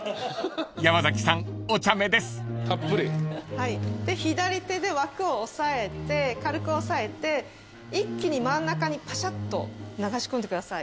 はいで左手で枠を押さえて軽く押さえて一気に真ん中にパシャッと流し込んでください。